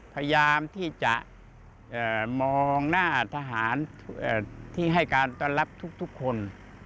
พยายามที่จะมองหน้าทหารที่ให้การต้อนรับทุกคน